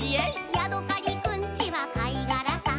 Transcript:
「ヤドカリくんちはかいがらさ」